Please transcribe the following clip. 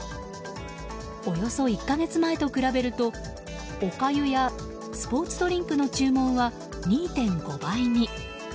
およそ１か月前と比べるとおかゆやスポーツドリンクの注文は２．５倍に。